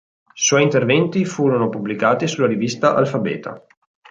Suoi interventi furono pubblicati sulla rivista Alfabeta.